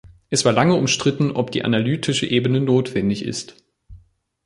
Es war lange umstritten, ob die analytische Ebene notwendig ist.